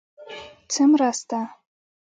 _څه مرسته؟